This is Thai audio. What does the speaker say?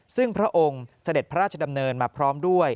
ซึ่งพระองค์เสด็จพระราชดำเนินมาพร้อมด้วย